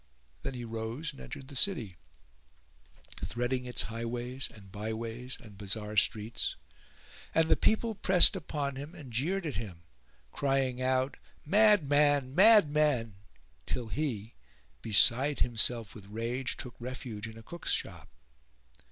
Then he rose and entered the city, threading its highways and by ways and bazar streets; and the people pressed upon him and jeered at him, crying out "Madman! madman!" till he, beside himself with rage, took refuge in a cook's shop.